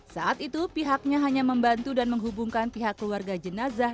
saat itu pihaknya hanya membantu dan menghubungkan pihak keluarga jenazah